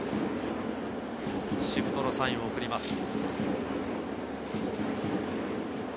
シフトのサインを送ります。